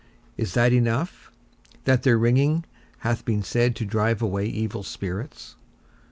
Is that enough, that their ringing hath been said to drive away evil spirits?